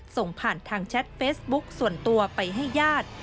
ส่งผ่านทางแชทเฟซบุ๊คส่วนตัวไปให้ญาติ